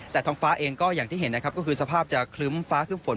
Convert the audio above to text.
แต่ท้องฟ้าเองก็อย่างที่เห็นนะครับก็คือสภาพจะคลึ้มฟ้าครึ่มฝน